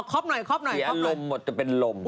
ครับหน่อยครับเสียอารมณ์หมดจะเป็นลม